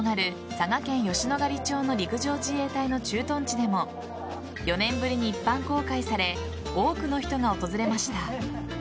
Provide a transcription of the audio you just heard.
佐賀県吉野ヶ里町の陸上自衛隊の駐屯地でも４年ぶりに一般公開され多くの人が訪れました。